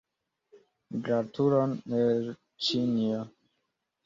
Gratulon el Ĉinio!